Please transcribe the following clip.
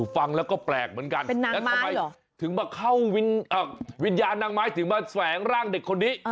ฟังแล้วก็แปลกเหมือนกันแล้วทำไมถึงมาเข้าวิญญาณนางไม้ถึงมาแฝงร่างเด็กคนนี้